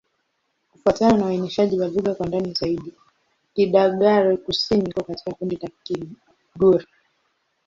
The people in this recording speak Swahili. Kufuatana na uainishaji wa lugha kwa ndani zaidi, Kidagaare-Kusini iko katika kundi la Kigur.